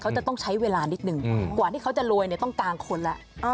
เขาจะต้องใช้เวลานิดนึงกว่าที่เขาจะรวยต้องกลางคนแล้ว